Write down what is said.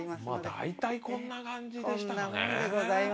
大体こんな感じでしたかね。